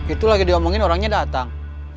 itu lagi diomongin orangnya datang